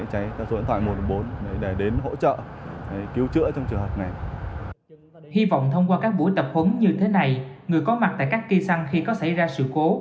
hy vọng thông qua các buổi tập huấn như thế này người có mặt tại các cây xăng khi có xảy ra sự cố